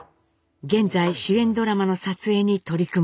現在主演ドラマの撮影に取り組む日々です。